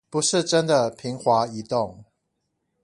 不是真的平滑移動